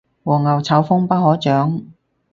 黃牛炒風不可長